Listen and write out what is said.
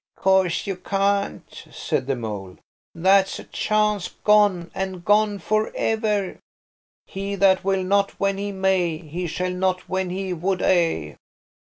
"Course you can't," said the mole. "That's a chance gone, and gone for ever. "'He that will not when he may, He shall not when he would a.'